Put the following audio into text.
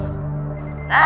kau akan mengingatkan istrimu